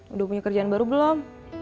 udah punya kerjaan baru belum